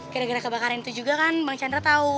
gara gara kebakaran itu juga kan bang chandra tahu